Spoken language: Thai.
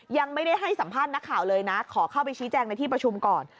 ยังไม่ได้ให้สัมภาษณ์นักข่าวเลยนะขอเข้าไปชี้แจงในที่ประชุมก่อน